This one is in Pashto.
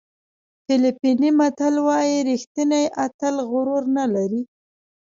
فلپیني متل وایي ریښتینی اتل غرور نه لري.